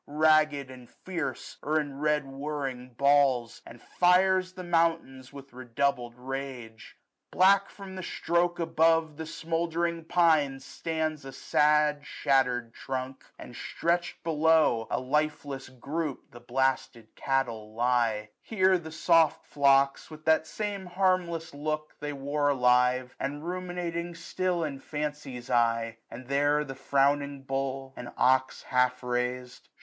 Ragged and fierce, or in red whirling balls ; And fires the mountains with redoubled rage. 1 149 Black from the stroke, above, the smouldring pine Stands a sad shattered trunk ; and, stretched below. SUMMER. 93 A lifeless groupe the blasted cattle lie : Here the soft flocks, with that same harmless look They wore alive, and ruminating still In fancy's eye ; and there the frowning bull 1 155 And ox half rais'd.